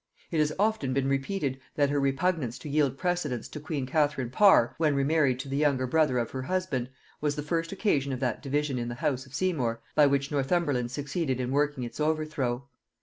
It has often been repeated, that her repugnance to yield precedence to queen Catherine Parr, when remarried to the younger brother of her husband, was the first occasion of that division in the house of Seymour by which Northumberland succeeded in working its overthrow.